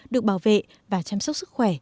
được bảo vệ và chăm sóc sức khỏe